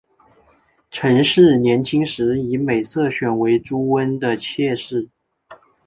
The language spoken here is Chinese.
陈氏年轻时以美色选为朱温的妾室。